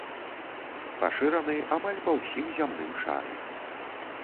Пашыраны амаль па ўсім зямным шары.